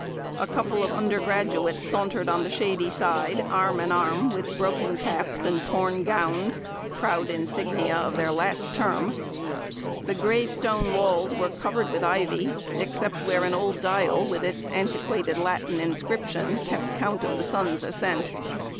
A couple of undergraduates sauntered on the shady side, arm in arm, with broken caps and torn gowns proud insignia of their last term. The grey stone walls were covered with ivy, except where an old dial with its antiquated Latin inscription kept count of the sun's ascent.